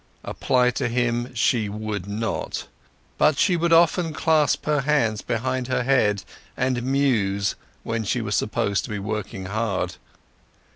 Apply to him she would not. But she would often clasp her hands behind her head and muse when she was supposed to be working hard.